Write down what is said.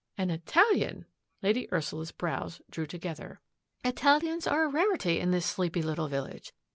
" An Italian !" Lady Ursula's brows drew to gether. " Italians are a rarity in this sleepy lit tle village.